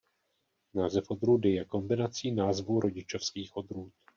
Název odrůdy je kombinací názvů rodičovských odrůd.